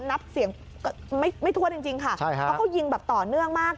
นับเสียงไม่ทั่วจริงค่ะเพราะเขายิงแบบต่อเนื่องมาก